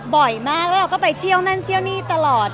บ่อยมากแล้วเราก็ไปเที่ยวนั่นเที่ยวนี่ตลอด